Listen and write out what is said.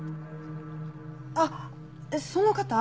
あっその方。